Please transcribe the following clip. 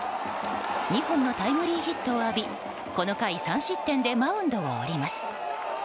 ２本のタイムリーヒットを浴びこの回、３失点でマウンドを降ります。